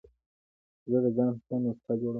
زه د ځان ښه نسخه جوړوم.